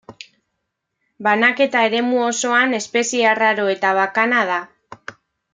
Banaketa-eremu osoan espezie arraro eta bakana da.